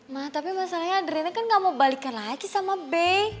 ma tapi masalahnya adriana kan ga mau balikan lagi sama be